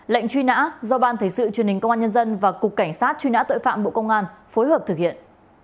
lệnh truy nã do ban thể sự truyền hình công an nhân dân và cục cảnh sát truy nã tội phạm bộ công an phối hợp thực hiện